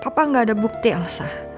papa itu gak ada bukti elsa